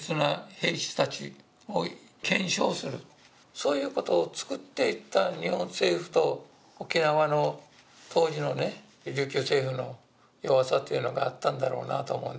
そういうことを作っていった日本政府と沖縄の当時の琉球政府の弱さというものがあったんだろうなと思う。